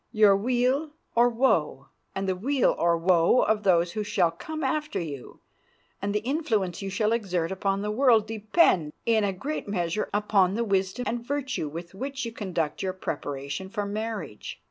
Your weal or woe and the weal or woe of those who shall come after you, and the influence you shall exert upon the world, depend, in a great measure, upon the wisdom and virtue with which you conduct your preparation for marriage.